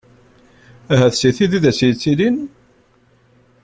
Ahat si tid i d as-yettilin?